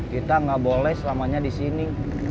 kita nggak boleh selamanya di sini